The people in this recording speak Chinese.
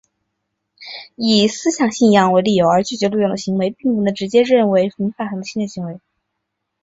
以思想信仰为理由而拒绝录用的行为并不能直接认定为民法上的侵权行为。